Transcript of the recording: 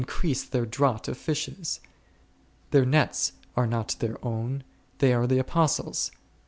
crease their draught of fishes ! Their nets are not their own, they are the Apostles'.